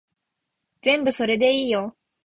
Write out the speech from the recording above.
全部それでいいよ